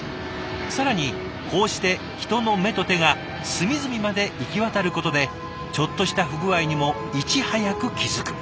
更にこうして人の目と手が隅々まで行き渡ることでちょっとした不具合にもいち早く気付く。